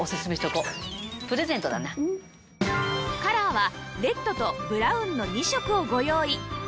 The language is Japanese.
カラーはレッドとブラウンの２色をご用意